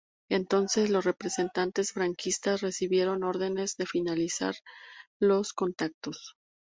Entonces los representantes franquistas recibieron órdenes de finalizar los contactos.